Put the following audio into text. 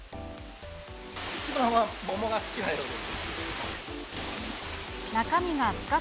一番は桃が好きなようですね。